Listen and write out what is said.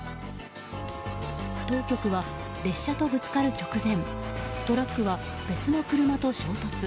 当局は、列車とぶつかる直前トラックは別の車と衝突。